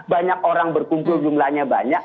banyak orang berkumpul jumlahnya banyak